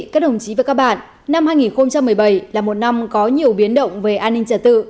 các đồng chí và các bạn năm hai nghìn một mươi bảy là một năm có nhiều biến động về an ninh trật tự